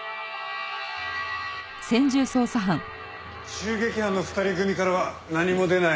襲撃犯の２人組からは何も出ない。